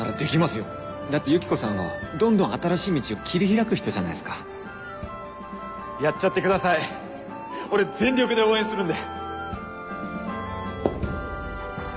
よだってユキコさんはどんどん新しい道を切り開く人じゃないっすかやっちゃってください俺全力で応援するんで！